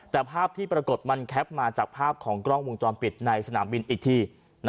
แต่ภาพที่ปรากฏมันแคปมาจากภาพของกล้องวงจรปิดในสนามบินอีกที